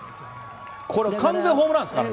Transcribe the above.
これ完全にホームランですからね。